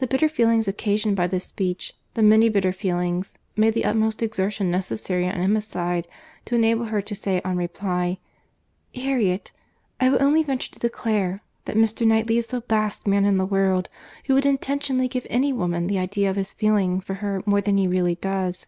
The bitter feelings occasioned by this speech, the many bitter feelings, made the utmost exertion necessary on Emma's side, to enable her to say on reply, "Harriet, I will only venture to declare, that Mr. Knightley is the last man in the world, who would intentionally give any woman the idea of his feeling for her more than he really does."